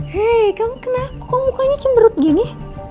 hei kamu kenapa kok mukanya cemberut gini